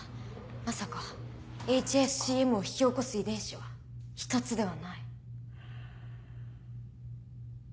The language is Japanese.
まさかＨＳＣＭを引き起こす遺伝子は１つではない？